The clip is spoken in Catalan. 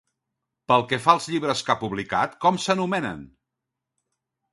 Pel que fa als llibres que ha publicat, com s'anomenen?